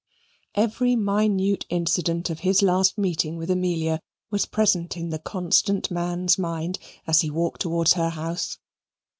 Every minute incident of his last meeting with Amelia was present to the constant man's mind as he walked towards her house.